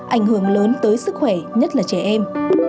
ảnh hưởng lớn tới sức khỏe nhất là trẻ em